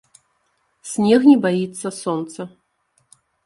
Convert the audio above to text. Снег не баіцца сонца.